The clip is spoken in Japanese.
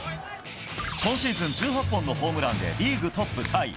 今シーズン１８本のホームランでリーグトップタイ。